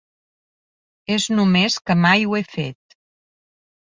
És només que mai ho he fet.